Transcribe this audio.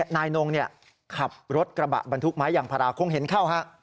นายนงขับรถกระบะบรรทุกไม้ยางพาราคงเห็นเข้าฮะ